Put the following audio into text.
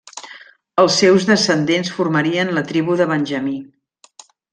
Els seus descendents formarien la Tribu de Benjamí.